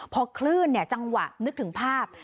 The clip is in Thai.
พอคลื่นจังหวะนึกถึงภาพ